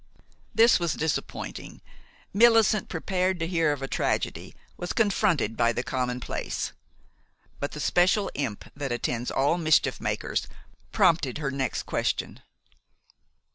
This was disappointing. Millicent, prepared to hear of a tragedy, was confronted by the commonplace. But the special imp that attends all mischief makers prompted her next question.